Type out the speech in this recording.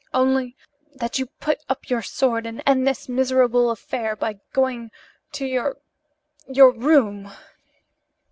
"Only that you put up your sword and end this miserable affair by going to your your room."